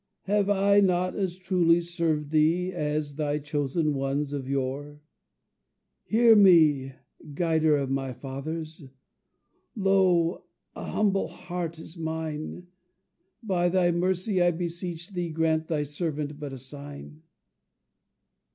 Have I not as truly served thee, As thy chosen ones of yore? "Hear me, guider of my fathers, Lo! a humble heart is mine; By thy mercy I beseech thee, Grant thy servant but a sign!"